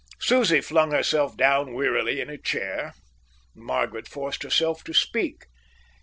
Susie flung herself down wearily in a chair. Margaret forced herself to speak.